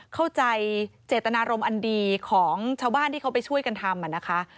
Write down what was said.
เข้าใจเจตนารมณ์อันดีของชาวบ้านที่เขาไปช่วยกันทำนะคะ